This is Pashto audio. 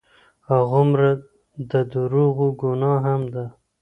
هغومره د دروغو ګناه هم ده.